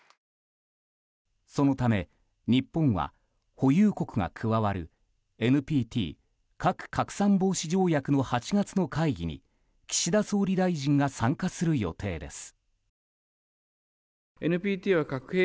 そのため日本は、保有国が加わるＮＰＴ・核拡散防止条約の８月の会議に岸田総理大臣が参加する予定です。